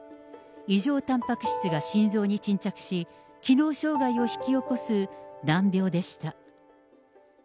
異常たんぱく質が心臓に沈着し、機能障害を引き起こす難病でした。